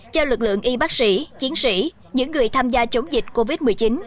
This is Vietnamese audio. cho lực lượng y bác sĩ chiến sĩ những người tham gia chống dịch covid một mươi chín